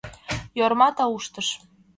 — Йорма тауштыш.